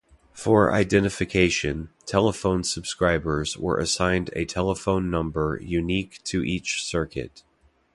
For identification, telephone subscribers were assigned a telephone number unique to each circuit.